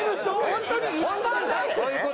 本当に一般男性？